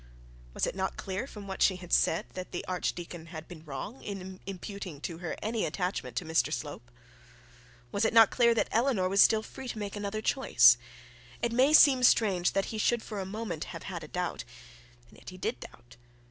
Was it not clear from what she had said, that the archdeacon had been wrong in imputing to her any attachment to Mr Slope? Was it not clear that Eleanor was still free to make another choice? It may seem strange that he should for a moment have had a doubt; and yet he did doubt.